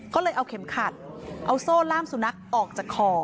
ก็เลยเอาเข็มขัดเอาโซ่ล่ามสุนัขออกจากคอ